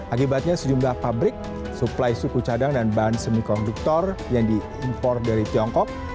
akibatnya sejumlah pabrik suplai suku cadang dan bahan semikonduktor yang diimpor dari tiongkok